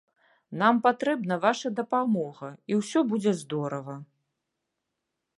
Нам патрэбна ваша дапамога, і ўсё будзе здорава.